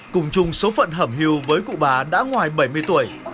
cùng chung số phận hiểm hưu với cụ bà đã ngoài bảy mươi tuổi